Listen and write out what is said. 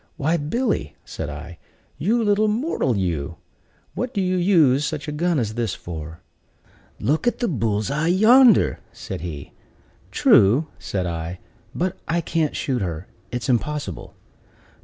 "Why, Billy," said I, "you little mortal, you! what do you use such a gun as this for?" "Look at the bull's eye yonder!" said he. "True," said I, "but I can't shoot her; it is impossible."